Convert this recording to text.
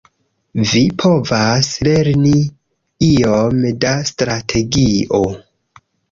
Vi povas lerni iom da strategio.